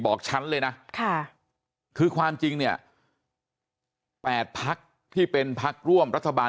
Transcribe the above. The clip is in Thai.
ชั้นเลยนะคือความจริงเนี่ย๘พักที่เป็นพักร่วมรัฐบาล